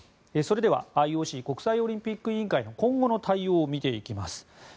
それでは、ＩＯＣ・国際オリンピック委員会の今後の対応を見ていきます。